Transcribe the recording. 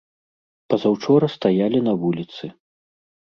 Пазаўчора стаялі на вуліцы.